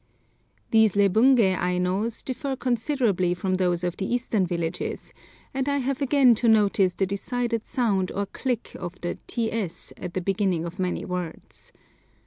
These Lebungé Ainos differ considerably from those of the eastern villages, and I have again to notice the decided sound or click of the ts at the beginning of many words.